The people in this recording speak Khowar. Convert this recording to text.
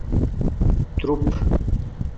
تروپ